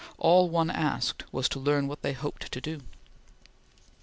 All one asked was to learn what they hoped to do.